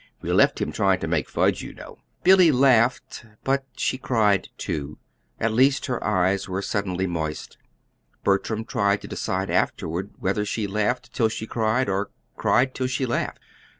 We left him trying to make fudge, you know." Billy laughed but she cried, too; at least, her eyes grew suddenly moist. Bertram tried to decide afterward whether she laughed till she cried, or cried till she laughed.